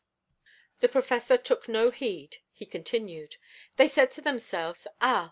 _' The Professor took no heed; he continued. 'They said to themselves "Ah!